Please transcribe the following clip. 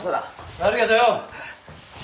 ありがとよ。